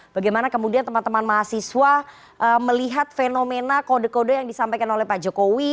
bagaimana kemudian teman teman mahasiswa melihat fenomena kode kode yang disampaikan oleh pak jokowi